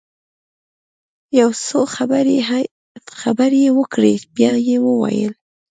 يو څو خبرې يې وکړې بيا يې وويل.